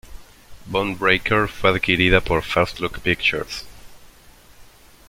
Bone Breaker fue adquirida por First Look Pictures.